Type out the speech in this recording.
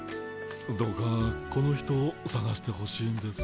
どうかこの人をさがしてほしいんです。